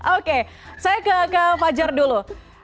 oke saya ke fajar dulu